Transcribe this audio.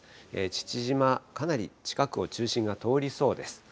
父島、かなり近くを中心が通りそうです。